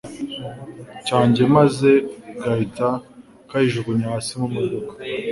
cyanjye maze gahita kayijugunya hasi mu modoka